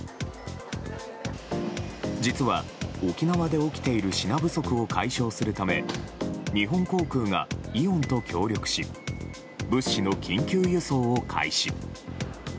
実は、沖縄で起きている品不足を解消するため日本航空がイオンと協力し物資の緊急輸送を開始。